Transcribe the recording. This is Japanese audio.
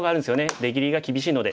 出切りが厳しいので。